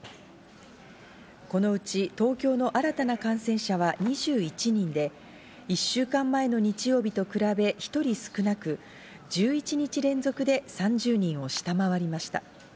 このうち東京の新たな感染者は２１人で１週間前の日曜日と比べ１人少なく１１日連続で３０人を下回りました。